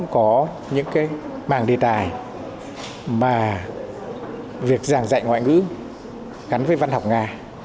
có những cái mảng đề tài mà việc giảng dạy ngoại ngữ gắn với văn học nga